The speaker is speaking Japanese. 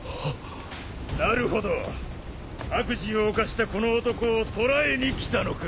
なるほど悪事を犯したこの男を捕らえに来たのか？